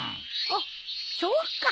あっそうか。